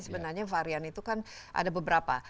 sebenarnya varian itu kan ada beberapa